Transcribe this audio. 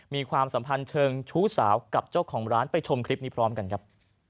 ความสัมพันธ์เชิงชู้สาวกับเจ้าของร้านไปชมคลิปนี้พร้อมกันครับ